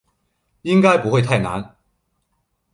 应该不会太难